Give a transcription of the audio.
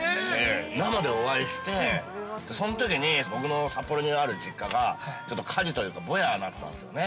生でお会いして、そのときに僕の札幌にある実家が火事というかぼやになったんですね。